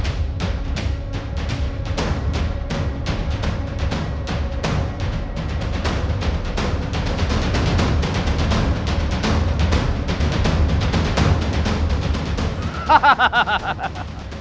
aku mau balik